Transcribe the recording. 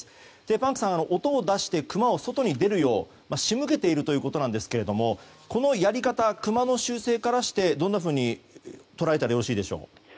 パンクさん、音を出してクマが外に出るよう仕向けているということなんですがこのやり方はクマの習性からしてどんなふうに捉えたらよろしいでしょう？